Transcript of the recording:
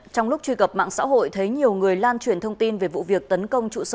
trong lúc truy cập mạng xã hội thấy nhiều người lan truyền thông tin về vụ việc tấn công trụ sở